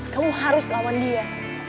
kamu harus lawan dia